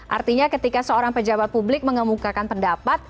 artinya ketika seorang pejabat publik mengemukakan pendapat